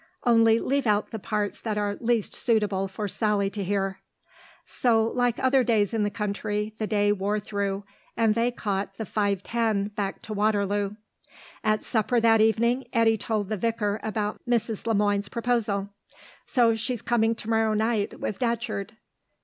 Only leave out the parts that are least suitable for Sally to hear." So, like other days in the country, the day wore through, and they caught the 5.10 back to Waterloo. At supper that evening Eddy told the vicar about Mrs. Le Moine's proposal. "So she's coming to morrow night, with Datcherd."